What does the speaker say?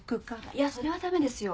いやそれは駄目ですよ。